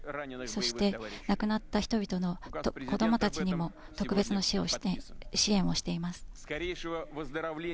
そして亡くなった人々の子供たちにも特別な支援をしています。